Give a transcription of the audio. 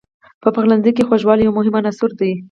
په پخلنځي کې خوږوالی یو مهم عنصر دی.